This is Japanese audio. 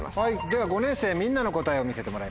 では５年生みんなの答えを見せてもらいましょう。